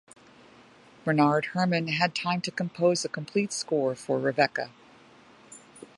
Bernard Herrmann had time to compose a complete score for "Rebecca".